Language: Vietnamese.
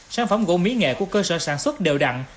sản phẩm gỗ mỹ nghệ của cơ sở sản xuất đều đặn